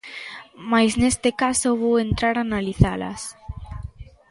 Mais neste caso, vou entrar a analizalas.